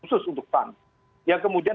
khusus untuk pan yang kemudian